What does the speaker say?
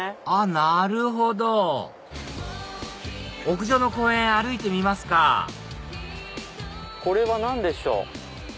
あっなるほど屋上の公園歩いてみますかこれは何でしょう？